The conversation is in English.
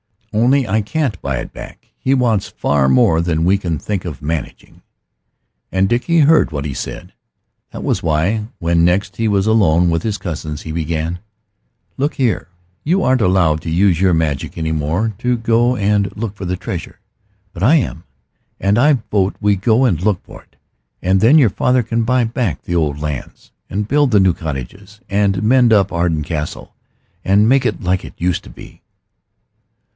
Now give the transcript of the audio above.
Only I can't buy it back. He wants far more than we can think of managing." And Dickie heard what he said. That was why, when next he was alone with his cousins, he began "Look here you aren't allowed to use your magic any more, to go and look for the treasure. But I am. And I vote we go and look for it. And then your father can buy back the old lands, and build the new cottages and mend up Arden Castle, and make it like it used to be."